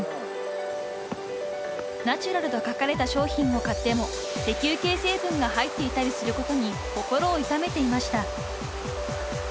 ［ナチュラルと書かれた商品を買っても石油系成分が入っていたりすることに心を痛めていました］